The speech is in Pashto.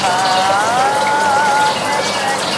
پلار د مېړانې په میدان کي تل مخکښ او ثابت قدمه پاته سوی دی.